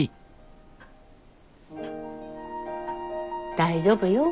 大丈夫よ